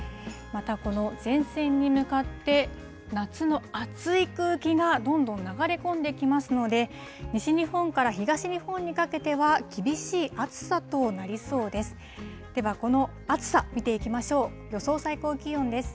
またこの前線に向かって、夏の暑い空気がどんどん流れ込んできますので、西日本から東日本にかけては、厳しい暑さとなりそうです。